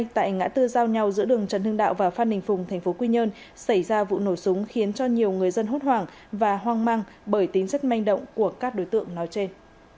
tại ngã tư giao nhau giữa đường trần hưng đạo và phan đình phùng tp quy nhơn xảy ra vụ nổ súng khiến cho nhiều người dân hốt hoảng và hoang mang bởi tính rất manh động của các đối tượng nói trên